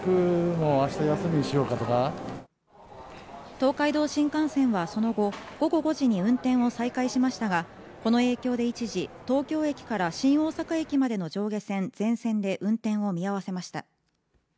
東海道新幹線はその後、午後５時に運転を再開しましたがこの影響で一時、東京駅から新大阪駅までの上下線全線で運転を見合わせました。